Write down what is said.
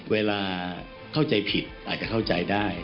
เวลาเข้าใจผิดอาจจะเข้าใจได้